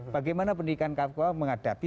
bagaimana pendidikan papua menghadapi